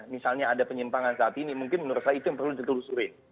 misalnya ada penyimpangan saat ini mungkin menurut saya itu yang perlu ditelusurin